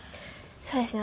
そうですね。